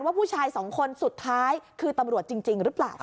ผู้ชายสองคนสุดท้ายคือตำรวจจริงหรือเปล่า